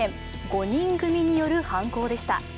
５人組による犯行でした。